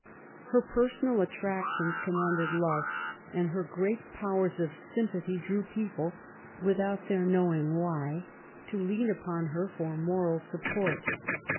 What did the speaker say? Her per sonal attractions commanded love^ and her great powers of sympathy drew people^ without their know ing why, to lean upon her for moral support.